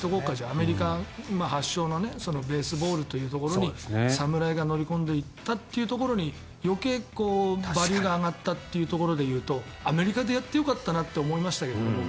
アメリカ発祥のベースボールというところに侍が乗り込んでいったというところに余計、バリューが上がったというところで言うとアメリカでやってよかったと僕は思いましたけど。